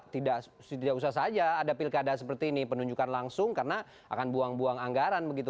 tidak usah saja ada pilkada seperti ini penunjukan langsung karena akan buang buang anggaran begitu